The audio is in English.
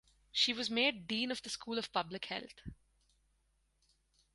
She was made Dean of the School of Public Health.